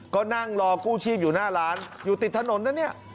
ก็นั่งรอกู้ชีพอยู่หน้าร้านอยู่ติดถนนนะเนี่ย